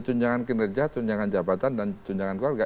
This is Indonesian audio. tunjangan kinerja tunjangan jabatan dan tunjangan keluarga